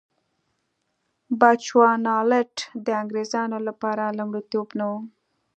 بچوانالنډ د انګرېزانو لپاره لومړیتوب نه و.